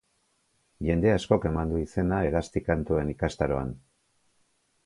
Jende askok eman du izena hegazti kantuen ikastaroan.